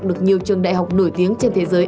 được nhiều trường đại học nổi tiếng trên thế giới